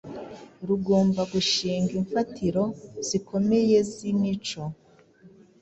rugomba gushinga imfatiro zikomeye z’imico.